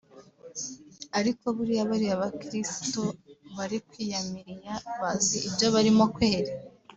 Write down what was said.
Ariko buriya bariya bakiristo bari kwiyamiriya bazi ibyo barimo kweri